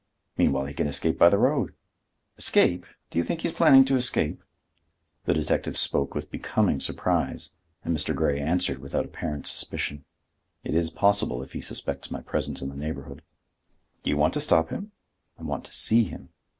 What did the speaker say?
"Meanwhile he can escape by the road." "Escape? Do you think he is planning to escape?" The detective spoke with becoming surprise and Mr. Grey answered without apparent suspicion. "It is possible if he suspects my presence in the neighborhood." "Do you want to stop him?" "I want to see him."